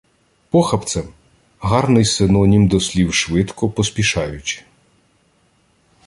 Похапцем – гарний синонім до слів швидко, поспішаючи.